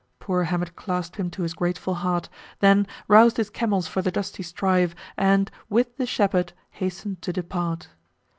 Poor Hamet clasp'd him to his grateful heart; Then, rous'd his camels for the dusty strife, And, with the shepherd, hasten'd to depart.